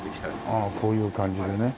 ああこういう感じでね。